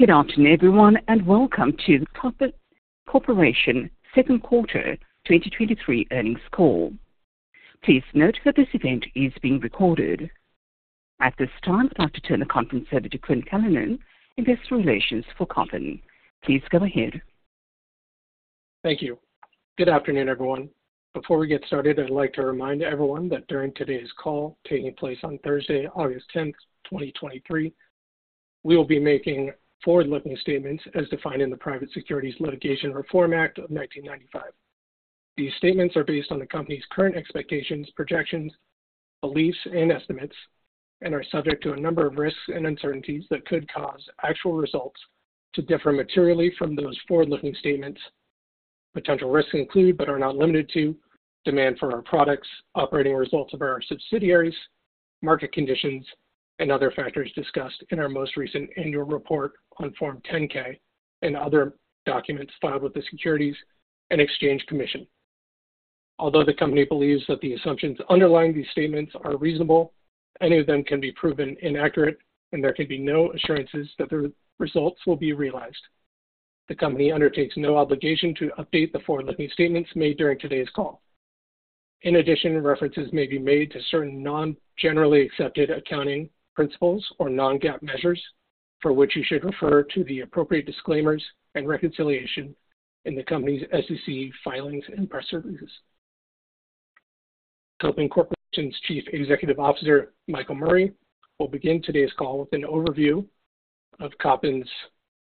Good afternoon, everyone, and welcome to the Kopin Corporation second quarter 2023 earnings call. Please note that this event is being recorded. At this time, I'd like to turn the conference over to Clint Malin, Investor Relations for Kopin. Please go ahead. Thank you. Good afternoon, everyone. Before we get started, I'd like to remind everyone that during today's call, taking place on Thursday, August 10, 2023, we will be making forward-looking statements as defined in the Private Securities Litigation Reform Act of 1995. These statements are based on the company's current expectations, projections, beliefs, and estimates, and are subject to a number of risks and uncertainties that could cause actual results to differ materially from those forward-looking statements. Potential risks include, but are not limited to demand for our products, operating results of our subsidiaries, market conditions, and other factors discussed in our most recent annual report on Form 10-K and other documents filed with the Securities and Exchange Commission. Although the company believes that the assumptions underlying these statements are reasonable, any of them can be proven inaccurate and there can be no assurances that the results will be realized. The company undertakes no obligation to update the forward-looking statements made during today's call. In addition, references may be made to certain non-GAAP measures, for which you should refer to the appropriate disclaimers and reconciliation in the company's SEC filings and press releases. Kopin Corporation's Chief Executive Officer, Michael Murray, will begin today's call with an overview of Kopin's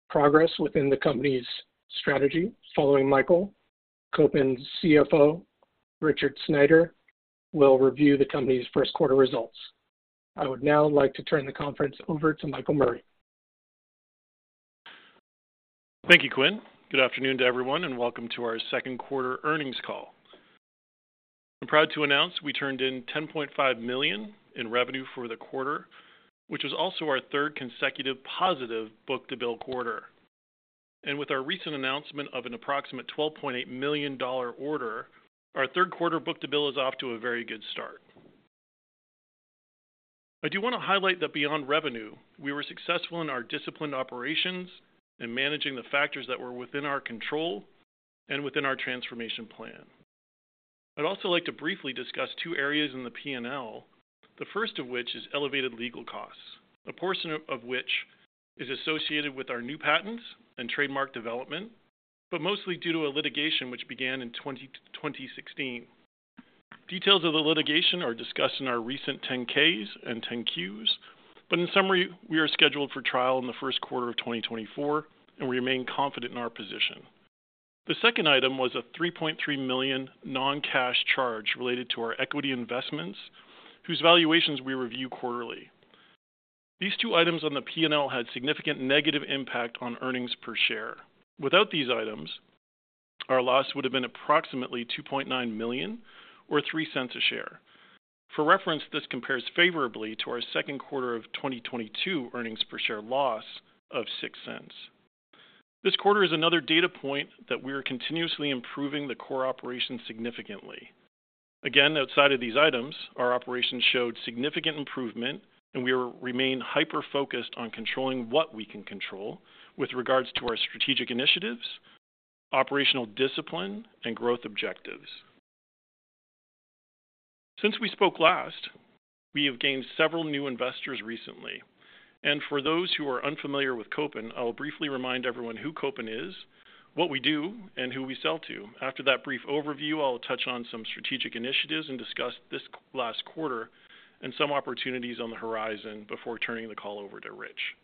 progress within the company's strategy. Following Michael, Kopin's CFO, Rich Sneider, will review the company's first quarter results. I would now like to turn the conference over to Michael Murray. Thank you, Clint. Good afternoon to everyone, welcome to our second quarter earnings call. I'm proud to announce we turned in $10.5 million in revenue for the quarter, which was also our third consecutive positive book-to-bill quarter. With our recent announcement of an approximate $12.8 million order, our third quarter book-to-bill is off to a very good start. I do want to highlight that beyond revenue, we were successful in our disciplined operations and managing the factors that were within our control and within our transformation plan. I'd also like to briefly discuss two areas in the PNL. The first of which is elevated legal costs, a portion of which is associated with our new patents and trademark development, but mostly due to a litigation which began in 2016. Details of the litigation are discussed in our recent 10-Ks and 10-Qs. In summary, we are scheduled for trial in the first quarter of 2024 and we remain confident in our position. The second item was a $3.3 million non-cash charge related to our equity investments, whose valuations we review quarterly. These two items on the PNL had significant negative impact on earnings per share. Without these items, our loss would have been approximately $2.9 million or $0.03 a share. For reference, this compares favorably to our second quarter of 2022 earnings per share loss of $0.06. This quarter is another data point that we are continuously improving the core operations significantly. Again, outside of these items, our operations showed significant improvement and we remain hyper-focused on controlling what we can control with regards to our strategic initiatives, operational discipline, and growth objectives. Since we spoke last, we have gained several new investors recently, and for those who are unfamiliar with Kopin, I will briefly remind everyone who Kopin is, what we do, and who we sell to. After that brief overview, I'll touch on some strategic initiatives and discuss this last quarter and some opportunities on the horizon before turning the call over to Rich.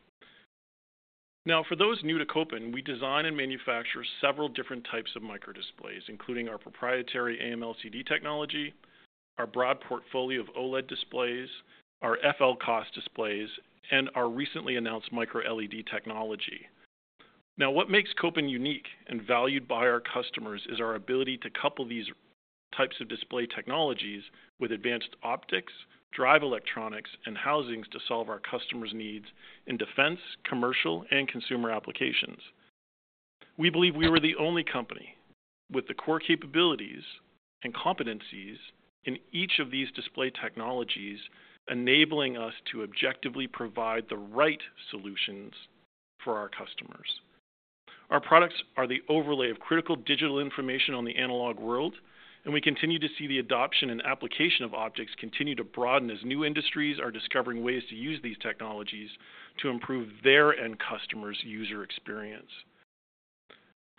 Now, for those new to Kopin, we design and manufacture several different types of micro displays, including our proprietary AMLCD technology, our broad portfolio of OLED displays, our FLCOS displays, and our recently announced MicroLED technology. Now, what makes Kopin unique and valued by our customers is our ability to couple these types of display technologies with advanced optics, drive electronics, and housings to solve our customers' needs in defense, commercial, and consumer applications. We believe we are the only company with the core capabilities and competencies in each of these display technologies, enabling us to objectively provide the right solutions for our customers. Our products are the overlay of critical digital information on the analog world, and we continue to see the adoption and application of objects continue to broaden as new industries are discovering ways to use these technologies to improve their end customers' user experience.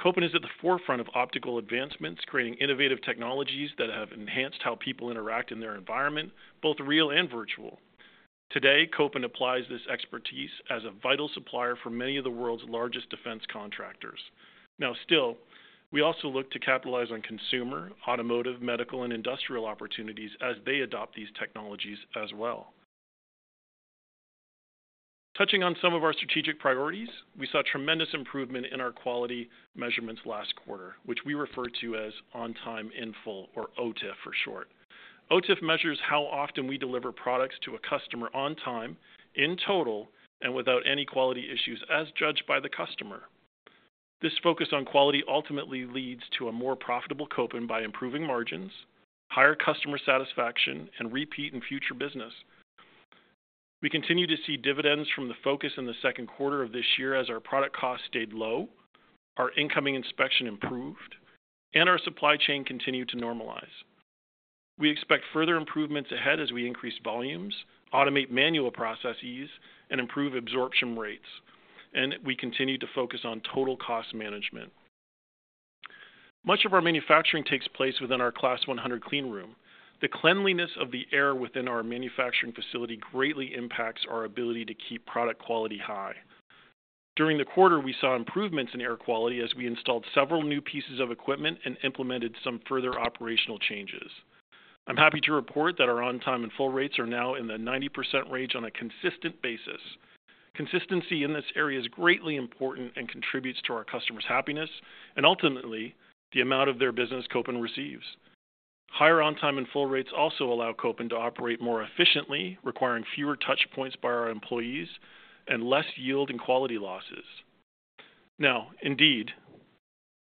Kopin is at the forefront of optical advancements, creating innovative technologies that have enhanced how people interact in their environment, both real and virtual. Today, Kopin applies this expertise as a vital supplier for many of the world's largest defense contractors. We also look to capitalize on consumer, automotive, medical, and industrial opportunities as they adopt these technologies as well. Touching on some of our strategic priorities, we saw tremendous improvement in our quality measurements last quarter, which we refer to as on-time, in-full, or OTIF for short. OTIF measures how often we deliver products to a customer on time, in total, and without any quality issues as judged by the customer. This focus on quality ultimately leads to a more profitable Kopin by improving margins, higher customer satisfaction, and repeat in future business. We continue to see dividends from the focus in the second quarter of this year as our product costs stayed low, our incoming inspection improved, and our supply chain continued to normalize. We expect further improvements ahead as we increase volumes, automate manual processes, and improve absorption rates. We continue to focus on total cost management. Much of our manufacturing takes place within our Class 100 cleanroom. The cleanliness of the air within our manufacturing facility greatly impacts our ability to keep product quality high. During the quarter, we saw improvements in air quality as we installed several new pieces of equipment and implemented some further operational changes. I'm happy to report that our on-time and full rates are now in the 90% range on a consistent basis. Consistency in this area is greatly important and contributes to our customers' happiness and ultimately, the amount of their business Kopin receives. Higher on-time and full rates also allow Kopin to operate more efficiently, requiring fewer touch points by our employees and less yield and quality losses. Indeed,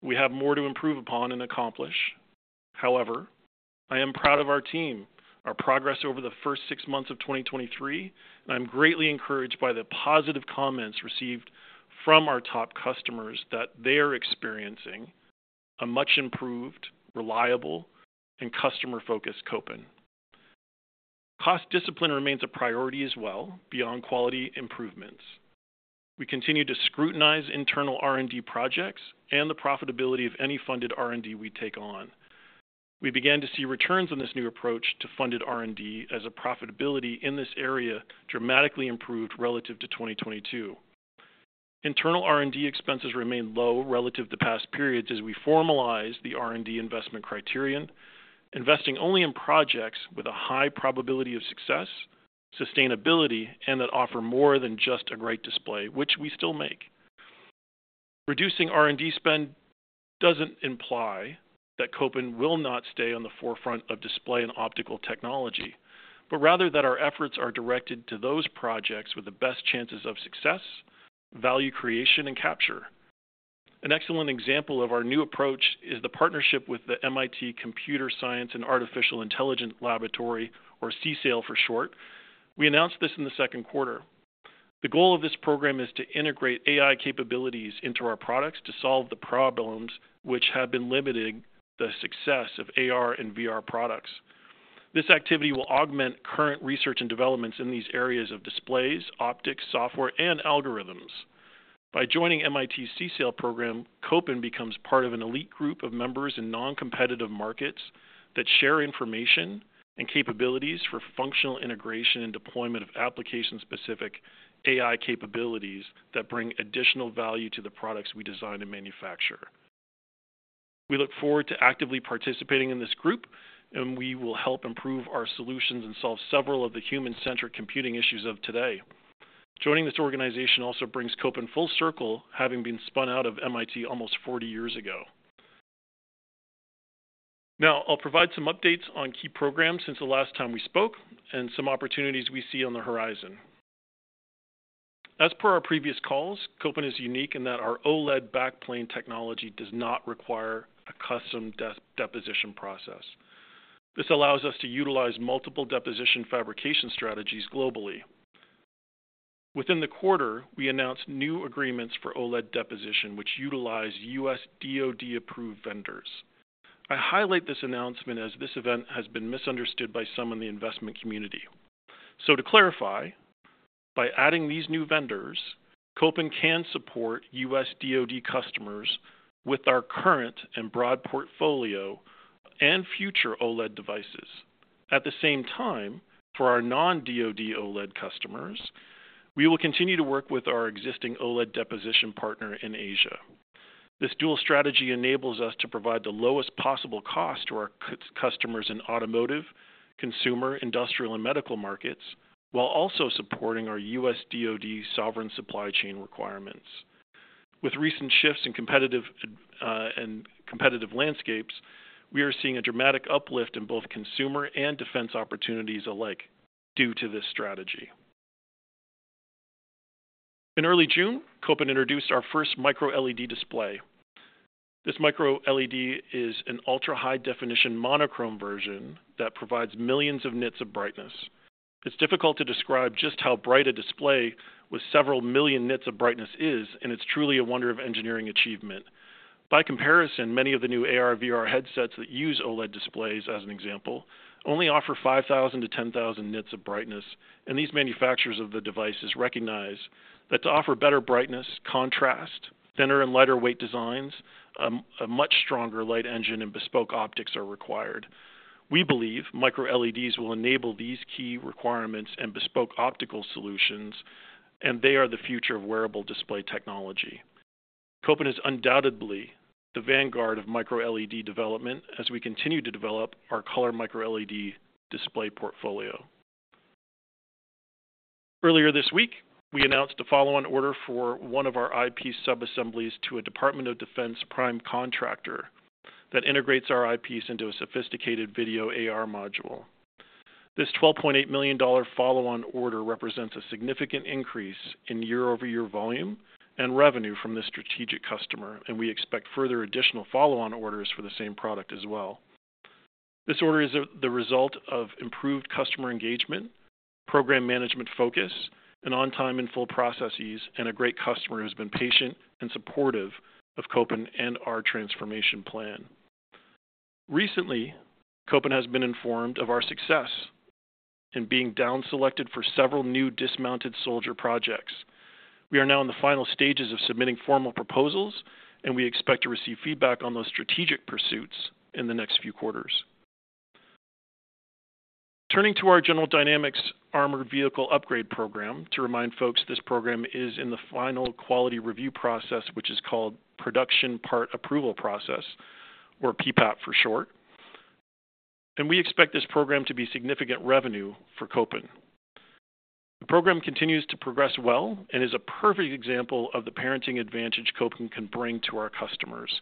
we have more to improve upon and accomplish. However, I am proud of our team, our progress over the first six months of 2023, and I'm greatly encouraged by the positive comments received from our top customers that they are experiencing a much improved, reliable, and customer-focused Kopin. Cost discipline remains a priority as well beyond quality improvements. We continue to scrutinize internal R&D projects and the profitability of any funded R&D we take on. We began to see returns on this new approach to funded R&D as a profitability in this area dramatically improved relative to 2022. Internal R&D expenses remain low relative to past periods as we formalize the R&D investment criterion, investing only in projects with a high probability of success, sustainability, and that offer more than just a great display, which we still make. Reducing R&D spend doesn't imply that Kopin will not stay on the forefront of display and optical technology, but rather that our efforts are directed to those projects with the best chances of success, value creation, and capture. An excellent example of our new approach is the partnership with the MIT Computer Science and Artificial Intelligence Laboratory, or CSAIL for short. We announced this in the second quarter. The goal of this program is to integrate AI capabilities into our products to solve the problems which have been limiting the success of AR and VR products. This activity will augment current research and developments in these areas of displays, optics, software, and algorithms. By joining MIT's CSAIL program, Kopin becomes part of an elite group of members in non-competitive markets that share information and capabilities for functional integration and deployment of application-specific AI capabilities that bring additional value to the products we design and manufacture. We look forward to actively participating in this group, and we will help improve our solutions and solve several of the human-centric computing issues of today. Joining this organization also brings Kopin full circle, having been spun out of MIT almost 40 years ago. Now, I'll provide some updates on key programs since the last time we spoke and some opportunities we see on the horizon. As per our previous calls, Kopin is unique in that our OLED backplane technology does not require a custom deposition process. This allows us to utilize multiple deposition fabrication strategies globally. Within the quarter, we announced new agreements for OLED deposition, which utilize US DoD approved vendors. I highlight this announcement as this event has been misunderstood by some in the investment community. To clarify, by adding these new vendors, Kopin can support US DoD customers with our current and broad portfolio and future OLED devices. At the same time, for our non-DoD OLED customers, we will continue to work with our existing OLED deposition partner in Asia. This dual strategy enables us to provide the lowest possible cost to our customers in automotive, consumer, industrial, and medical markets, while also supporting our US DoD sovereign supply chain requirements. With recent shifts in competitive and competitive landscapes, we are seeing a dramatic uplift in both consumer and defense opportunities alike due to this strategy. In early June, Kopin introduced our first Micro-LED display. This Micro-LED is an ultra-high definition monochrome version that provides millions of nits of brightness. It's difficult to describe just how bright a display with several million nits of brightness is, and it's truly a wonder of engineering achievement. By comparison, many of the new AR/VR headsets that use OLED displays, as an example, only offer 5,000-10,000 nits of brightness. These manufacturers of the devices recognize that to offer better brightness, contrast, thinner and lighter weight designs, a much stronger light engine and bespoke optics are required. We believe Micro-LEDs will enable these key requirements and bespoke optical solutions, and they are the future of wearable display technology. Kopin is undoubtedly the vanguard of Micro-LED development as we continue to develop our color Micro-LED display portfolio. Earlier this week, we announced a follow-on order for one of our IP subassemblies to a Department of Defense prime contractor that integrates our IPs into a sophisticated video AR module. This $12.8 million follow-on order represents a significant increase in year-over-year volume and revenue from this strategic customer, and we expect further additional follow-on orders for the same product as well. This order is the result of improved customer engagement, program management focus, and on-time and full processes, and a great customer who's been patient and supportive of Kopin and our transformation plan. Recently, Kopin has been informed of our success in being down selected for several new dismounted soldier projects. We are now in the final stages of submitting formal proposals, and we expect to receive feedback on those strategic pursuits in the next few quarters. Turning to our General Dynamics armored vehicle upgrade program, to remind folks, this program is in the final quality review process, which is called Production Part Approval Process, or PPAP for short. We expect this program to be significant revenue for Kopin. The program continues to progress well and is a perfect example of the partnering advantage Kopin can bring to our customers.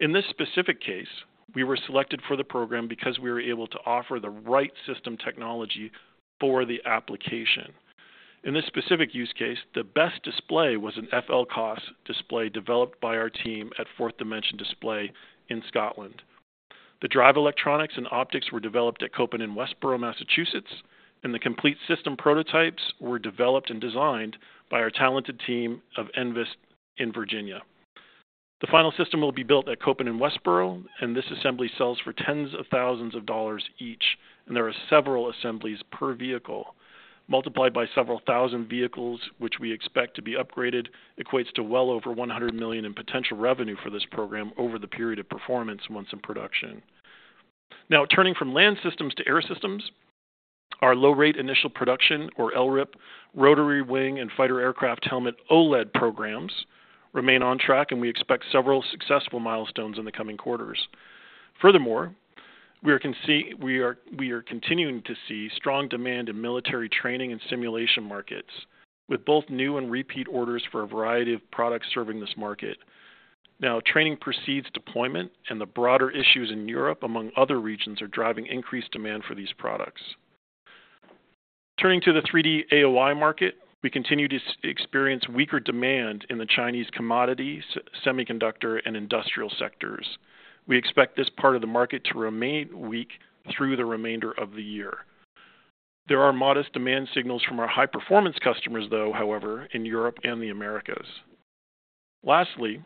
In this specific case, we were selected for the program because we were able to offer the right system technology for the application. In this specific use case, the best display was an FLCOS display developed by our team at Forth Dimension Displays in Scotland. The drive electronics and optics were developed at Kopin in Westborough, Massachusetts, and the complete system prototypes were developed and designed by our talented team of NVIS in Virginia. The final system will be built at Kopin in Westborough. This assembly sells for tens of thousands of dollars each, and there are several assemblies per vehicle. Multiplied by several thousand vehicles, which we expect to be upgraded, equates to well over $100 million in potential revenue for this program over the period of performance once in production. Turning from land systems to air systems, our Low-Rate Initial Production, or LRIP, Rotary Wing and Fighter Aircraft Helmet OLED programs remain on track. We expect several successful milestones in the coming quarters. Furthermore, we are continuing to see strong demand in military training and simulation markets, with both new and repeat orders for a variety of products serving this market. Training precedes deployment. The broader issues in Europe, among other regions, are driving increased demand for these products. Turning to the 3D AOI market, we continue to experience weaker demand in the Chinese commodity, semiconductor, and industrial sectors. We expect this part of the market to remain weak through the remainder of the year. There are modest demand signals from our high-performance customers, though, however, in Europe and the Americas. Lastly,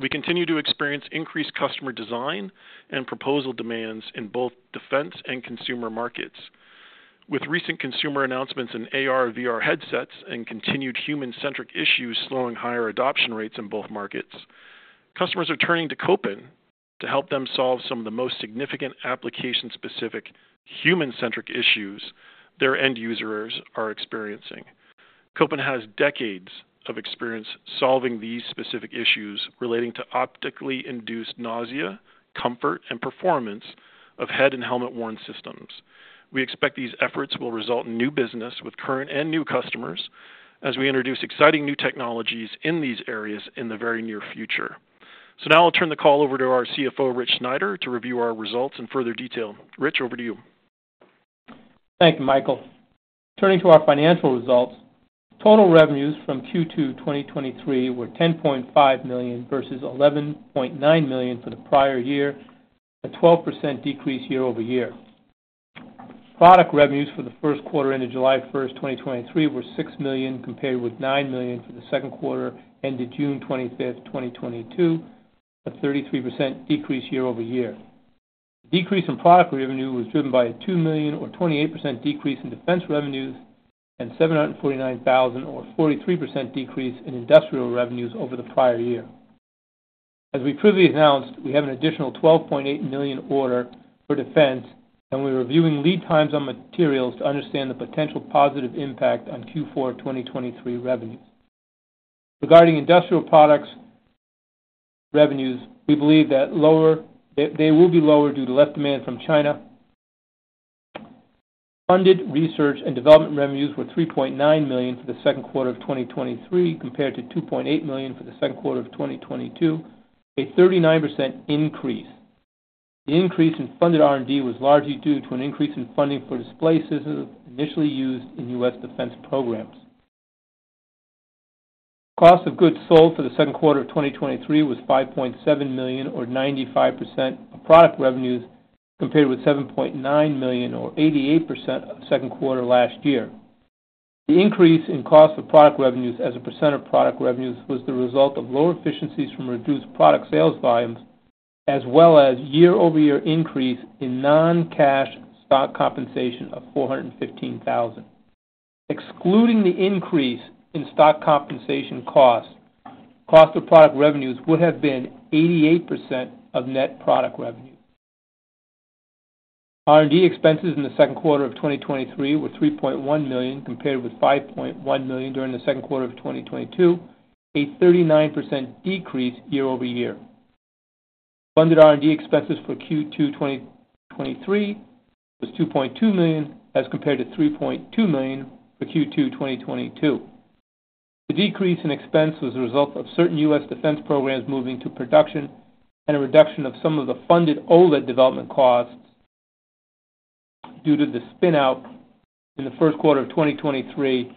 we continue to experience increased customer design and proposal demands in both defense and consumer markets. With recent consumer announcements in AR/VR headsets and continued human-centric issues slowing higher adoption rates in both markets, customers are turning to Kopin to help them solve some of the most significant application-specific, human-centric issues their end users are experiencing. Kopin has decades of experience solving these specific issues relating to optically induced nausea, comfort, and performance of head and helmet-worn systems. We expect these efforts will result in new business with current and new customers as we introduce exciting new technologies in these areas in the very near future. Now I'll turn the call over to our CFO, Rich Sneider, to review our results in further detail. Rich, over to you. Thank you, Michael. Turning to our financial results, total revenues from Q2 2023 were $10.5 million versus $11.9 million for the prior year, a 12% decrease year-over-year. Product revenues for the first quarter ended July 1, 2023, were $6 million, compared with $9 million for the second quarter, ended June 25th, 2022, a 33% decrease year-over-year. Decrease in product revenue was driven by a $2 million or 28% decrease in defense revenues and $749,000 or 43% decrease in industrial revenues over the prior year. As we previously announced, we have an additional $12.8 million order for defense, and we're reviewing lead times on materials to understand the potential positive impact on Q4 2023 revenues. Regarding industrial products revenues, we believe that they will be lower due to less demand from China. Funded research and development revenues were $3.9 million for the second quarter of 2023, compared to $2.8 million for the second quarter of 2022, a 39% increase. The increase in funded R&D was largely due to an increase in funding for display systems initially used in U.S. defense programs. Cost of goods sold for the second quarter of 2023 was $5.7 million, or 95% of product revenues, compared with $7.9 million or 88% of the second quarter last year. The increase in cost of product revenues as a percent of product revenues was the result of lower efficiencies from reduced product sales volumes, as well as year-over-year increase in non-cash stock compensation of $415,000. Excluding the increase in stock compensation costs, cost of product revenues would have been 88% of net product revenue. R&D expenses in the second quarter of 2023 were $3.1 million, compared with $5.1 million during the second quarter of 2022, a 39% decrease year-over-year. Funded R&D expenses for Q2 2023 was $2.2 million, as compared to $3.2 million for Q2 2022. The decrease in expense was a result of certain U.S. defense programs moving to production and a reduction of some of the funded OLED development costs due to the spin-out in the first quarter of 2023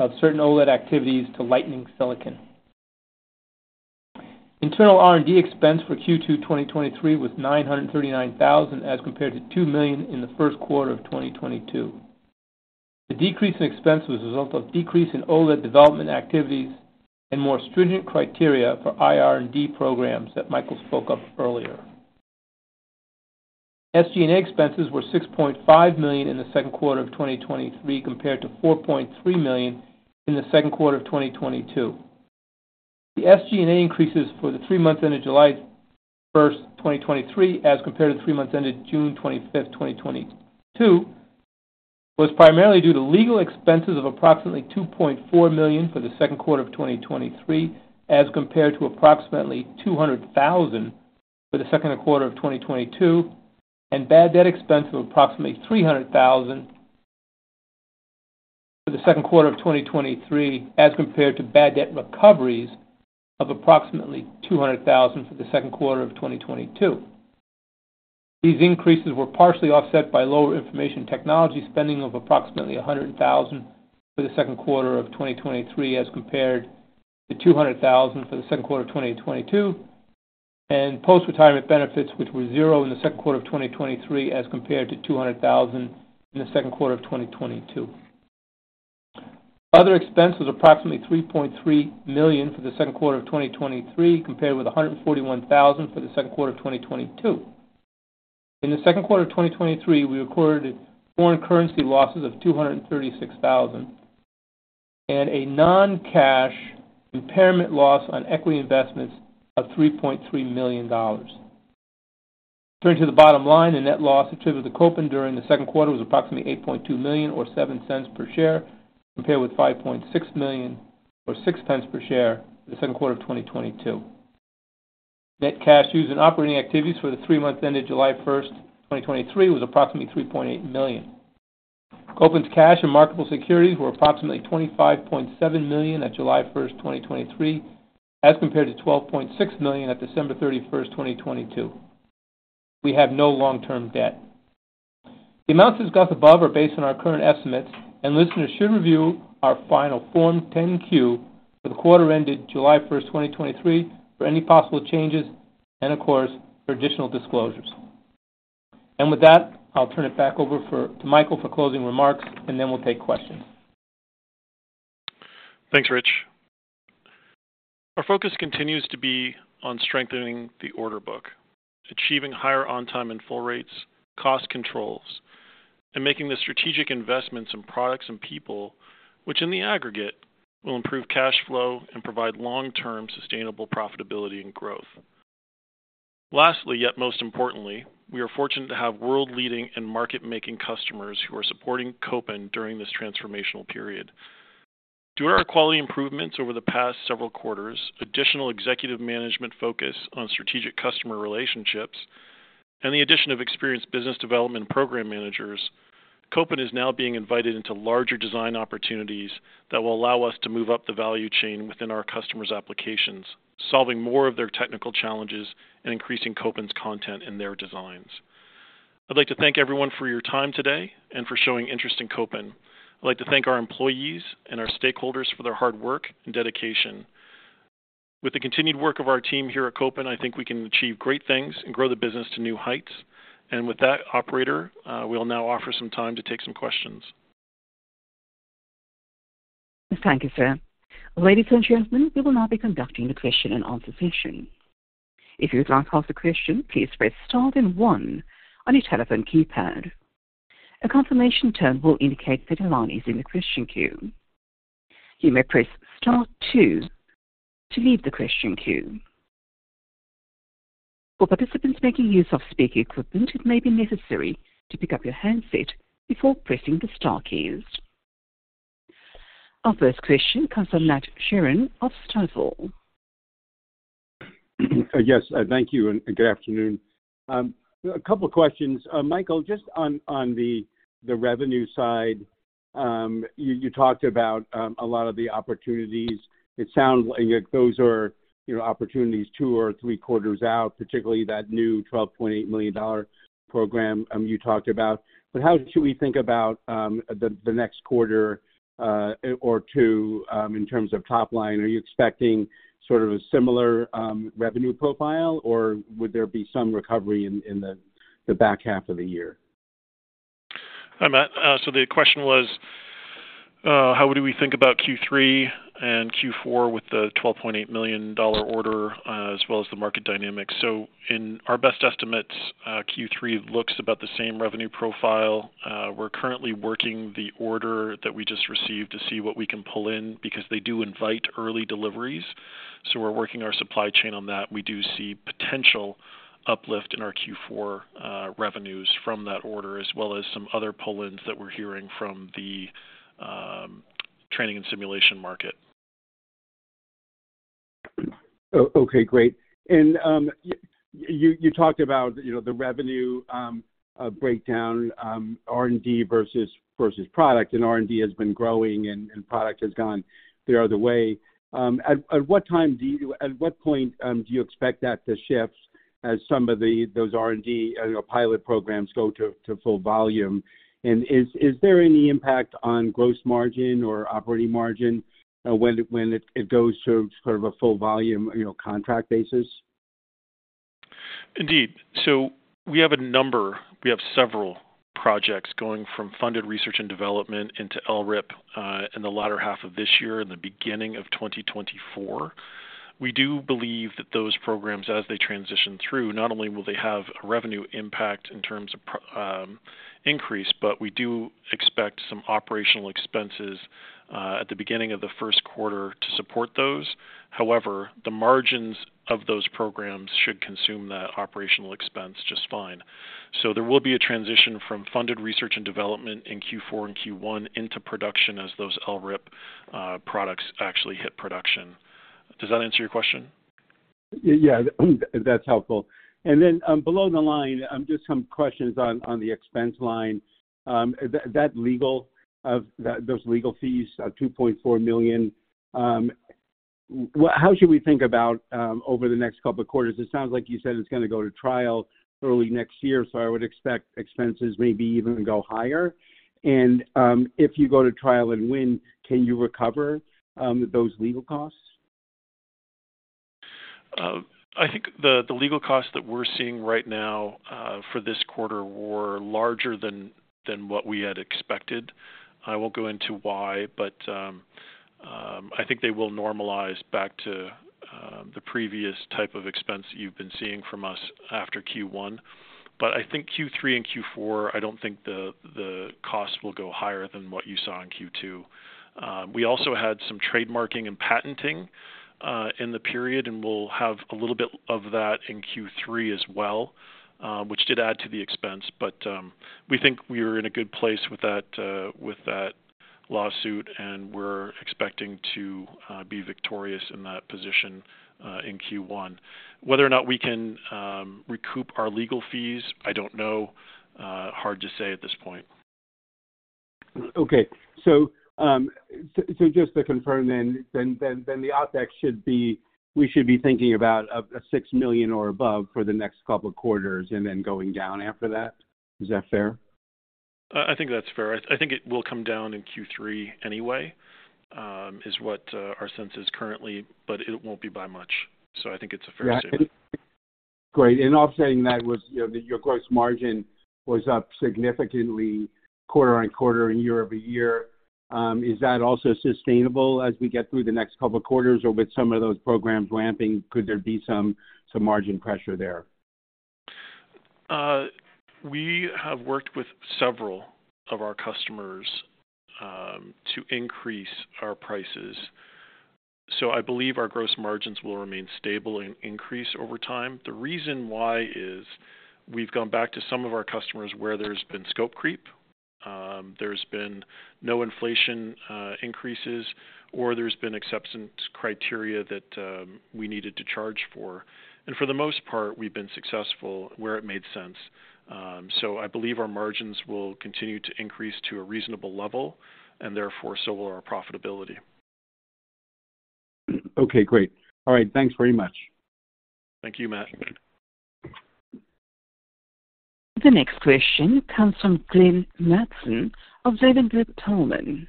of certain OLED activities to Lightning Silicon. Internal R&D expense for Q2 2023 was $939,000, as compared to $2 million in the first quarter of 2022. The decrease in expense was a result of decrease in OLED development activities and more stringent criteria for IR&D programs that Michael spoke of earlier. SG&A expenses were $6.5 million in the second quarter of 2023, compared to $4.3 million in the second quarter of 2022. The SG&A increases for the three months ended July 1, 2023, as compared to three months ended June 25, 2022, was primarily due to legal expenses of approximately $2.4 million for the second quarter of 2023, as compared to approximately $200,000 for the second quarter of 2022, and bad debt expense of approximately $300,000 for the second quarter of 2023, as compared to bad debt recoveries of approximately $200,000 for the second quarter of 2022. These increases were partially offset by lower information technology spending of approximately $100,000 for the second quarter of 2023, as compared to $200,000 for the second quarter of 2022, and post-retirement benefits, which were $0 in the second quarter of 2023, as compared to $200,000 in the second quarter of 2022. Other expenses, approximately $3.3 million for the second quarter of 2023, compared with $141,000 for the second quarter of 2022. In the second quarter of 2023, we recorded foreign currency losses of $236,000 and a non-cash impairment loss on equity investments of $3.3 million. Turning to the bottom line, the net loss attributed to Kopin during the second quarter was approximately $8.2 million, or $0.07 per share, compared with $5.6 million or $0.06 per share in the second quarter of 2022. Net cash used in operating activities for the three months ended July 1, 2023, was approximately $3.8 million. Kopin's cash and marketable securities were approximately $25.7 million at July 1, 2023, as compared to $12.6 million at December 31st, 2022. We have no long-term debt. The amounts discussed above are based on our current estimates, and listeners should review our final Form 10-Q for the quarter ended July 1, 2023, for any possible changes and, of course, for additional disclosures. With that, I'll turn it back over to Michael for closing remarks, and then we'll take questions. Thanks, Rich. Our focus continues to be on strengthening the order book, achieving higher on-time and full rates, cost controls, and making the strategic investments in products and people, which, in the aggregate, will improve cash flow and provide long-term sustainable profitability and growth. Lastly, yet most importantly, we are fortunate to have world-leading and market-making customers who are supporting Kopin during this transformational period. Due to our quality improvements over the past several quarters, additional executive management focus on strategic customer relationships, and the addition of experienced business development program managers, Kopin is now being invited into larger design opportunities that will allow us to move up the value chain within our customers' applications, solving more of their technical challenges and increasing Kopin's content in their designs. I'd like to thank everyone for your time today and for showing interest in Kopin. I'd like to thank our employees and our stakeholders for their hard work and dedication. With the continued work of our team here at Kopin, I think we can achieve great things and grow the business to new heights. With that operator, we will now offer some time to take some questions. Thank you, sir. Ladies and gentlemen, we will now be conducting the question and answer session. If you would like to ask a question, please press star then one on your telephone keypad. A confirmation tone will indicate that your line is in the question queue. You may press star two to leave the question queue. For participants making use of speaker equipment, it may be necessary to pick up your handset before pressing the star keys. Our first question comes from Matt Sheerin of Stifel. Yes, thank you and good afternoon. A couple of questions. Michael, just on the revenue side, you talked about a lot of the opportunities. It sounds like those are, you know, opportunities two or three quarters out, particularly that new $12.8 million program you talked about. But how should we think about the next quarter or two in terms of top line? Are you expecting sort of a similar revenue profile, or would there be some recovery in the back half of the year? Hi, Matt. The question was, how would we think about Q3 and Q4 with the $12.8 million order, as well as the market dynamics? In our best estimates, Q3 looks about the same revenue profile. We're currently working the order that we just received to see what we can pull in because they do invite early deliveries, so we're working our supply chain on that. We do see potential uplift in our Q4 revenues from that order, as well as some other pull-ins that we're hearing from the training and simulation market. Okay, great. You talked about, you know, the revenue breakdown, R&D versus product, and R&D has been growing and product has gone the other way. At what point do you expect that to shift as some of those R&D, you know, pilot programs go to full volume? Is there any impact on gross margin or operating margin when it goes to sort of a full volume, you know, contract basis? Indeed. We have a number, we have several projects going from funded research and development into LRIP in the latter half of this year, in the beginning of 2024. We do believe that those programs, as they transition through, not only will they have a revenue impact in terms of increase, but we do expect some operational expenses at the beginning of the 1st quarter to support those. The margins of those programs should consume that operational expense just fine. There will be a transition from funded research and development in Q4 and Q1 into production as those LRIP products actually hit production. Does that answer your question? Yeah, that's helpful. Below the line, just some questions on the expense line. Is that legal, of that, those legal fees of $2.4 million? How should we think about over the next couple of quarters? It sounds like you said it's gonna go to trial early next year, so I would expect expenses maybe even go higher. If you go to trial and win, can you recover those legal costs? I think the, the legal costs that we're seeing right now, for this quarter were larger than, than what we had expected. I won't go into why, I think they will normalize back to the previous type of expense you've been seeing from us after Q1. I think Q3 and Q4, I don't think the, the costs will go higher than what you saw in Q2. We also had some trademarking and patenting in the period, and we'll have a little bit of that in Q3 as well, which did add to the expense. We think we are in a good place with that, with that lawsuit, and we're expecting to be victorious in that position in Q1. Whether or not we can recoup our legal fees, I don't know. Hard to say at this point. Okay. just to confirm, the OpEx should be, we should be thinking about a $6 million or above for the next couple of quarters and then going down after that. Is that fair? I think that's fair. I, I think it will come down in Q3 anyway, is what our sense is currently, but it won't be by much, so I think it's a fair statement. Great. Offsetting that was, you know, your gross margin was up significantly quarter-on-quarter and year-over-year. Is that also sustainable as we get through the next couple of quarters, or with some of those programs ramping, could there be some, some margin pressure there? We have worked with several of our customers, to increase our prices, so I believe our gross margins will remain stable and increase over time. The reason why is we've gone back to some of our customers where there's been scope creep, there's been no inflation, increases, or there's been acceptance criteria that we needed to charge for. For the most part, we've been successful where it made sense. I believe our margins will continue to increase to a reasonable level, and therefore, so will our profitability. Okay, great. All right. Thanks very much. Thank you, Matt. The next question comes from Glenn Mattson of Ladenburg Thalmann.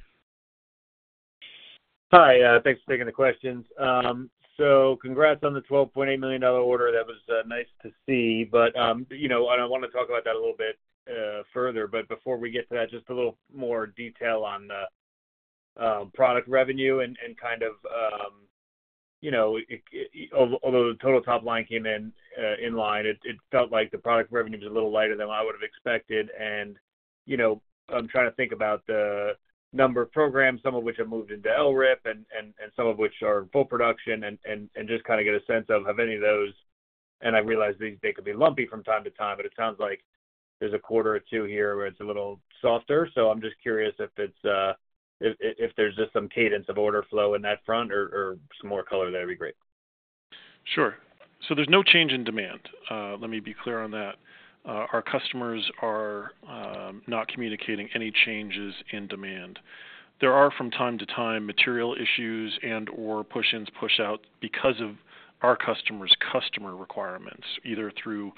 Hi, thanks for taking the questions. Congrats on the $12.8 million order. That was nice to see. You know, I want to talk about that a little bit further, but before we get to that, just a little more detail on the product revenue and, and kind of, you know, it, although the total top line came in in line, it, it felt like the product revenue was a little lighter than what I would have expected. You know, I'm trying to think about the number of programs, some of which have moved into LRIP and, and, and some of which are in full production and, and, and just kind of get a sense of have any of those... I realize they, they could be lumpy from time to time, but it sounds like there's a quarter or 2 here where it's a little softer. I'm just curious if it's, if there's just some cadence of order flow in that front or, or some more color, that'd be great? Sure. There's no change in demand. Let me be clear on that. Our customers are not communicating any changes in demand. There are, from time to time, material issues and, or push-ins, push-out because of our customer's customer requirements, either through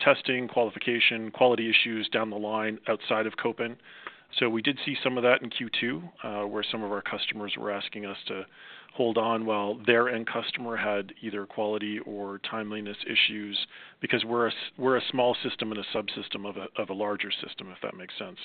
testing, qualification, quality issues down the line outside of Kopin. We did see some of that in Q2, where some of our customers were asking us to hold on while their end customer had either quality or timeliness issues, because we're a small system and a subsystem of a, of a larger system, if that makes sense.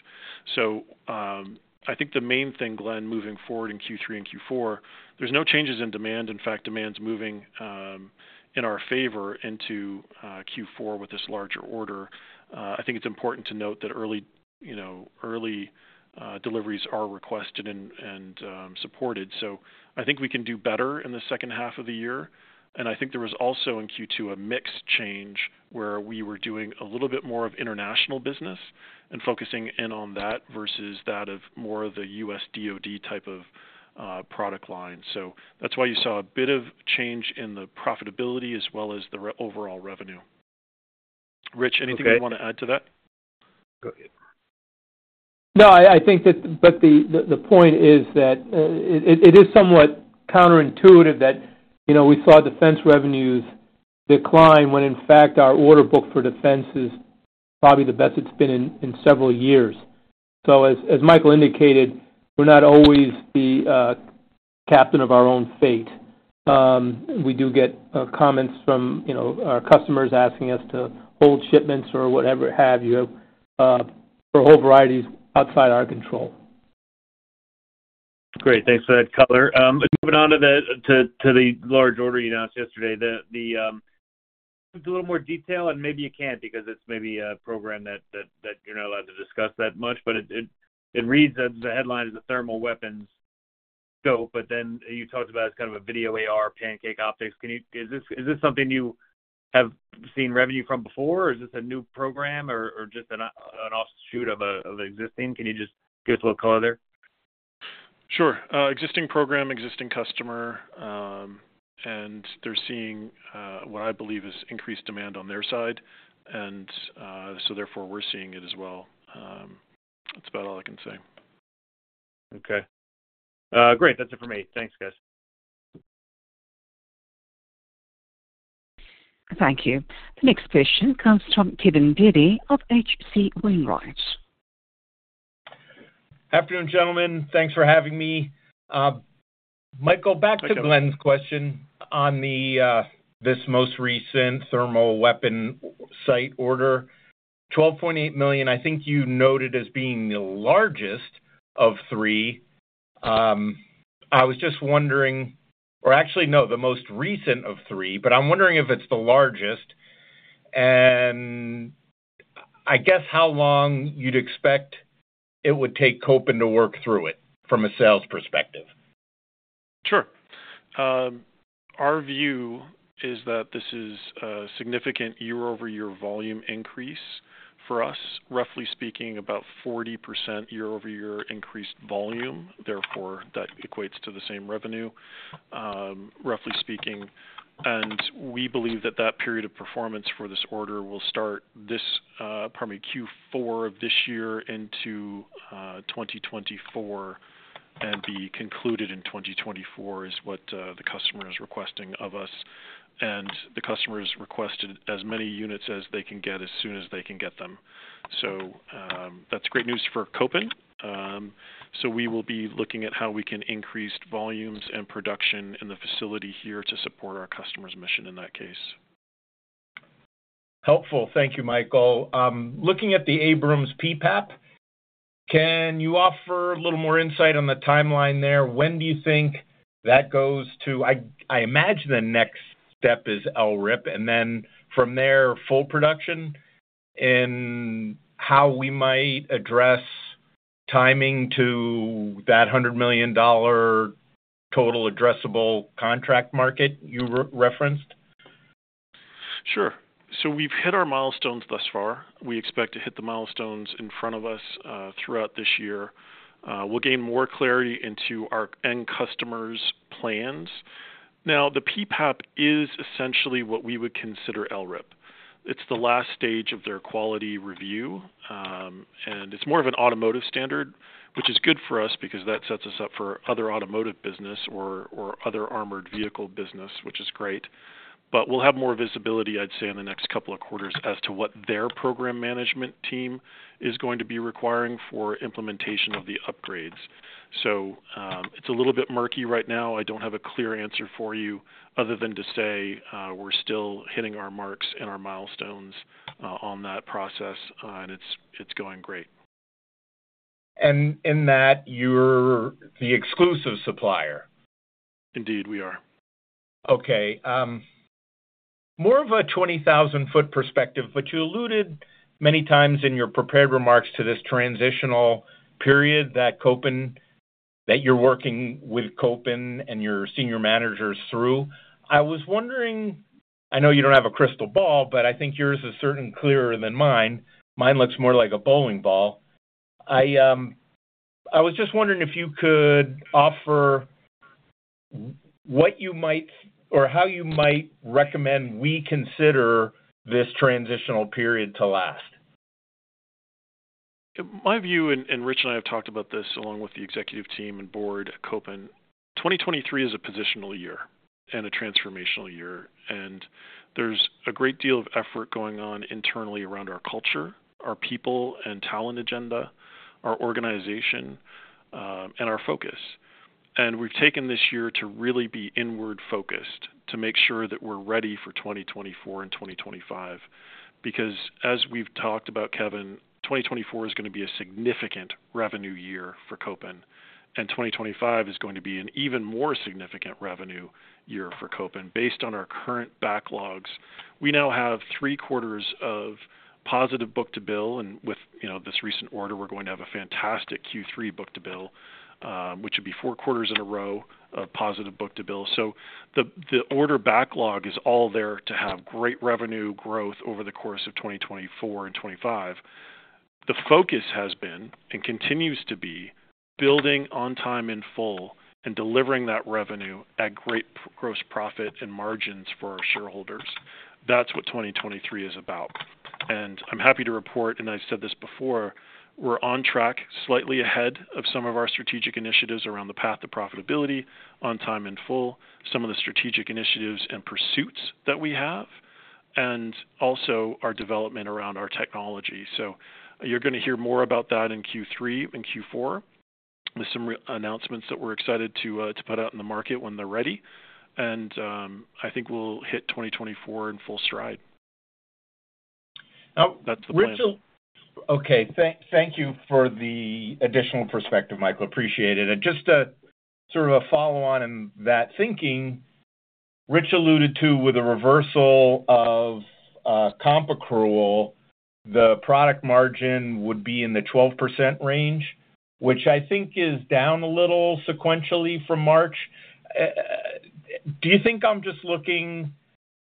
I think the main thing, Glenn, moving forward in Q3 and Q4, there's no changes in demand. In fact, demand's moving in our favor into Q4 with this larger order. I think it's important to note that early, you know, early deliveries are requested and supported. I think we can do better in the second half of the year. I think there was also in Q2, a mix change where we were doing a little bit more of international business and focusing in on that versus that of more of the U.S. DOD type of product line. That's why you saw a bit of change in the profitability as well as the overall revenue. Rich, anything you want to add to that? Go ahead. No, I, I think that, but the, the, the point is that, it, it, it is somewhat counterintuitive that, you know, we saw defense revenues decline when in fact our order book for defense is probably the best it's been in, in several years. As, as Michael indicated, we're not always the captain of our own fate. We do get comments from, you know, our customers asking us to hold shipments or whatever have you, for a whole variety outside our control. Great. Thanks for that color. Moving on to the large order you announced yesterday. A little more detail, and maybe you can't because it's maybe a program that you're not allowed to discuss that much, but it reads as the headline is the Thermal Weapon Scope, but then you talked about it as kind of a video AR pancake optics. Is this something you have seen revenue from before, or is this a new program or just an offshoot of an existing? Can you just give us a little color there? Sure. existing program, existing customer, and they're seeing, what I believe is increased demand on their side, and, so therefore we're seeing it as well. That's about all I can say. Okay. great. That's it for me. Thanks, guys. Thank you. The next question comes from Kevin Dede of H.C. Wainwright & Co. Afternoon, gentlemen. Thanks for having me. Michael, back to Glenn's question on the, this most recent thermal weapon sight order. $12.8 million, I think you noted as being the largest of 3. I was just wondering or actually, no, the most recent of 3, but I'm wondering if it's the largest, and I guess how long you'd expect it would take Kopin to work through it from a sales perspective? Sure. Our view is that this is a significant year-over-year volume increase for us, roughly speaking, about 40% year-over-year increased volume. Therefore, that equates to the same revenue, roughly speaking. We believe that that period of performance for this order will start this, probably Q4 of this year into 2024, and be concluded in 2024, is what the customer is requesting of us. The customer has requested as many units as they can get, as soon as they can get them. That's great news for Kopin. We will be looking at how we can increase volumes and production in the facility here to support our customer's mission in that case. Helpful. Thank you, Michael. Looking at the Abrams PPAP, can you offer a little more insight on the timeline there? When do you think that goes to... I, I imagine the next step is LRIP, and then from there, full production, and how we might address timing to that $100 million total addressable contract market you re-referenced? Sure. We've hit our milestones thus far. We expect to hit the milestones in front of us throughout this year. We'll gain more clarity into our end customer's plans. The PPAP is essentially what we would consider LRIP. It's the last stage of their quality review, and it's more of an automotive standard, which is good for us because that sets us up for other automotive business or, or other armored vehicle business, which is great. We'll have more visibility, I'd say, in the next couple of quarters as to what their program management team is going to be requiring for implementation of the upgrades. It's a little bit murky right now. I don't have a clear answer for you other than to say, we're still hitting our marks and our milestones, on that process, and it's, it's going great. In that, you're the exclusive supplier? Indeed, we are. Okay, more of a 20,000 foot perspective. You alluded many times in your prepared remarks to this transitional period that Kopin, that you're working with Kopin and your senior managers through. I was wondering, I know you don't have a crystal ball, but I think yours is certainly clearer than mine. Mine looks more like a bowling ball. I was just wondering if you could offer what you might or how you might recommend we consider this transitional period to last. My view, and Rich and I have talked about this along with the executive team and board at Kopin, 2023 is a positional year and a transformational year. There's a great deal of effort going on internally around our culture, our people and talent agenda, our organization, and our focus. We've taken this year to really be inward-focused, to make sure that we're ready for 2024 and 2025. As we've talked about, Kevin, 2024 is going to be a significant revenue year for Kopin, and 2025 is going to be an even more significant revenue year for Kopin based on our current backlogs. We now have 3 quarters of positive book-to-bill, and with, you know, this recent order, we're going to have a fantastic Q3 book-to-bill, which would be 4 quarters in a row of positive book-to-bill. The, the order backlog is all there to have great revenue growth over the course of 2024 and 2025. The focus has been, and continues to be, building on-time, in-full and delivering that revenue at great gross profit and margins for our shareholders. That's what 2023 is about, and I'm happy to report, and I've said this before, we're on track, slightly ahead of some of our strategic initiatives around the path to profitability on-time, in-full, some of the strategic initiatives and pursuits that we have, and also our development around our technology. You're going to hear more about that in Q3 and Q4 with some re-announcements that we're excited to put out in the market when they're ready. I think we'll hit 2024 in full stride. That's the plan. Okay, thank you for the additional perspective, Michael. Appreciate it. Just a sort of a follow on in that thinking, Rich alluded to with a reversal of comp accrual, the product margin would be in the 12% range, which I think is down a little sequentially from March. Eh, do you think I'm just looking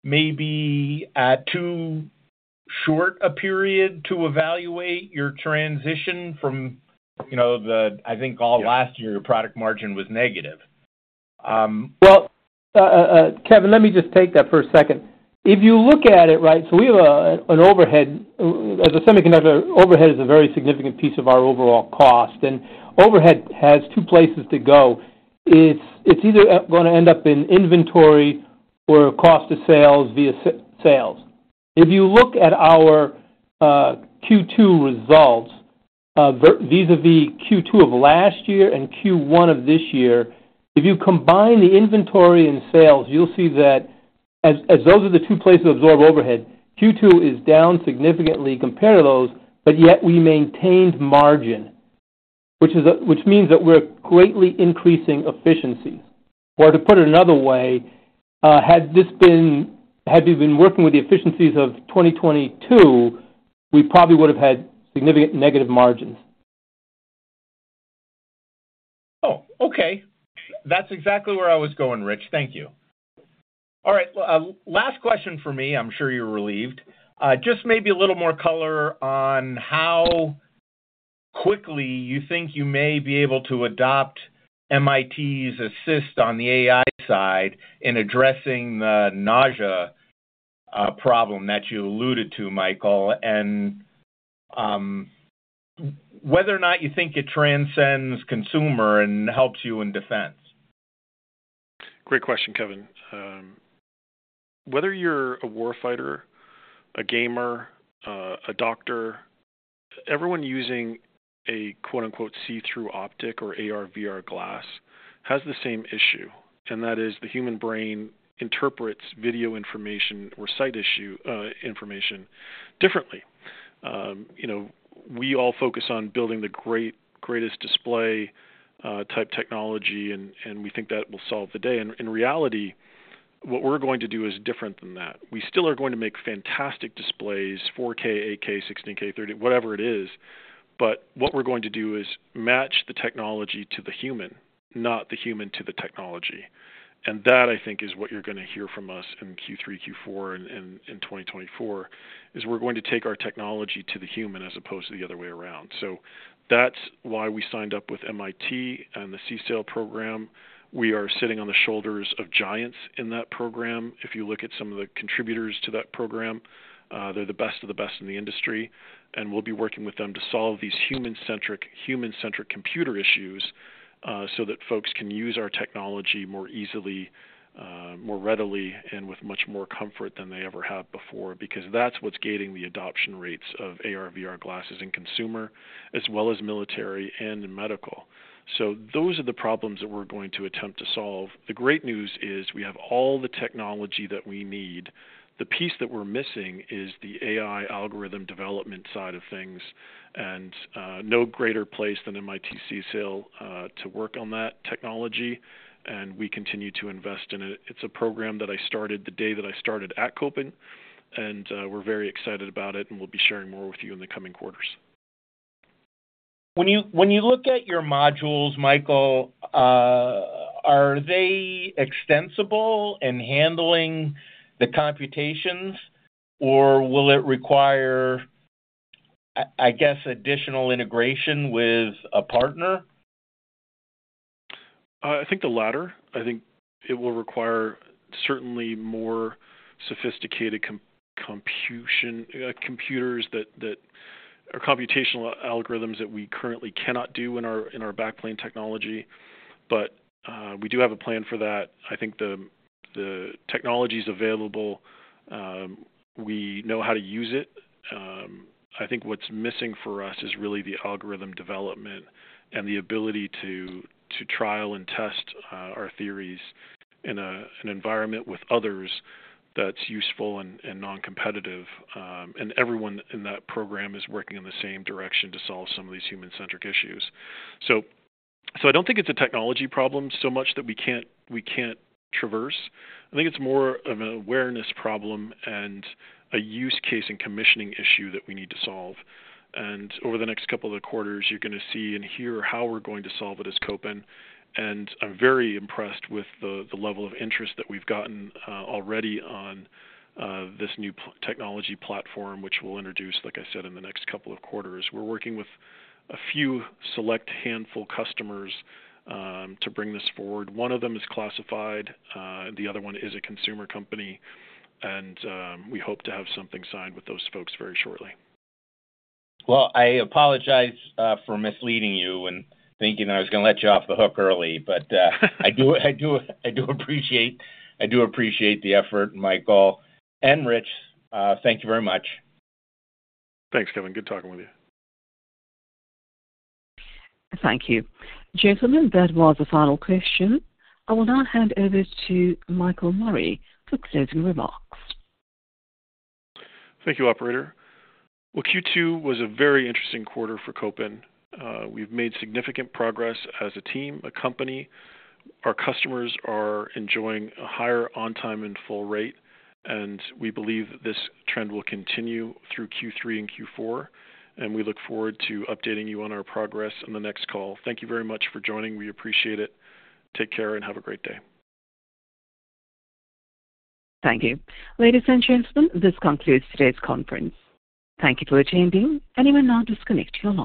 maybe at too short a period to evaluate your transition from, you know, I think all last year, your product margin was negative? Well, Kevin, let me just take that for a second. If you look at it, right, so we have an overhead. As a semiconductor, overhead is a very significant piece of our overall cost, and overhead has two places to go. It's, it's either gonna end up in inventory or cost of sales via sales. If you look at our Q2 results, vis-a-vis Q2 of last year and Q1 of this year, if you combine the inventory and sales, you'll see that as, as those are the two places absorb overhead, Q2 is down significantly compare to those, but yet we maintained margin, which is, which means that we're greatly increasing efficiency. Or to put it another way, had this been, had we been working with the efficiencies of 2022, we probably would have had significant negative margins. Oh, okay. That's exactly where I was going, Rich. Thank you. All right, last question for me. I'm sure you're relieved. Just maybe a little more color on how quickly you think you may be able to adopt MIT's assist on the AI side in addressing the nausea, problem that you alluded to, Michael, and whether or not you think it transcends consumer and helps you in defense. Great question, Kevin. Whether you're a war fighter, a gamer, a doctor, everyone using a quote, unquote, "see-through optic or AR/VR glass" has the same issue, and that is the human brain interprets video information or site issue, information differently. You know, we all focus on building the greatest display, type technology, and we think that will solve the day. In reality, what we're going to do is different than that. We still are going to make fantastic displays, 4K, 8K, 16K, 30, whatever it is, but what we're going to do is match the technology to the human, not the human to the technology. That, I think, is what you're gonna hear from us in Q3, Q4, in 2024, is we're going to take our technology to the human as opposed to the other way around. That's why we signed up with MIT and the CSAIL program. We are sitting on the shoulders of giants in that program. If you look at some of the contributors to that program, they're the best of the best in the industry, and we'll be working with them to solve these human-centric, human-centric computer issues, so that folks can use our technology more easily, more readily, and with much more comfort than they ever have before, because that's what's gating the adoption rates of AR/VR glasses in consumer as well as military and in medical. Those are the problems that we're going to attempt to solve. The great news is we have all the technology that we need. The piece that we're missing is the AI algorithm development side of things. No greater place than MIT CSAIL to work on that technology. We continue to invest in it. It's a program that I started the day that I started at Kopin. We're very excited about it. We'll be sharing more with you in the coming quarters. When you look at your modules, Michael, are they extensible in handling the computations, or will it require, I guess, additional integration with a partner? I think the latter. I think it will require certainly more sophisticated computation, or computational algorithms that we currently cannot do in our, in our backplane technology. We do have a plan for that. I think the technology's available, we know how to use it. I think what's missing for us is really the algorithm development and the ability to trial and test our theories in an environment with others that's useful and non-competitive. Everyone in that program is working in the same direction to solve some of these human-centric issues. I don't think it's a technology problem so much that we can't, we can't traverse. I think it's more of an awareness problem and a use case and commissioning issue that we need to solve. Over the next couple of quarters, you're gonna see and hear how we're going to solve it as Kopin. I'm very impressed with the level of interest that we've gotten already on this new technology platform, which we'll introduce, like I said, in the next couple of quarters. We're working with a few select handful customers to bring this forward. One of them is classified, the other one is a consumer company, and we hope to have something signed with those folks very shortly. Well, I apologize for misleading you and thinking I was gonna let you off the hook early, but - I do, I do, I do appreciate, I do appreciate the effort, Michael and Rich. Thank you very much. Thanks, Kevin. Good talking with you. Thank you. Gentlemen, that was the final question. I will now hand over to Michael Murray for closing remarks. Thank you, operator. Well, Q2 was a very interesting quarter for Kopin. We've made significant progress as a team, a company. Our customers are enjoying a higher on time and full rate, we believe this trend will continue through Q3 and Q4, we look forward to updating you on our progress on the next call. Thank you very much for joining. We appreciate it. Take care and have a great day. Thank you. Ladies and gentlemen, this concludes today's conference. Thank you for attending, and you may now disconnect your lines.